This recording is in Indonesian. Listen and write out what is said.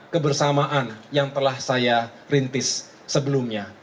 kebersamaan yang telah saya rintis sebelumnya